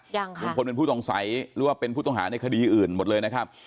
ยังค่ะลุงพลเป็นผู้ต้องสัยหรือว่าเป็นผู้ต้องหาในคดีอื่นหมดเลยนะครับ